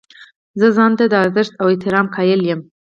زه ځان ته د ارزښت او احترام قایل یم.